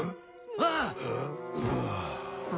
あっ！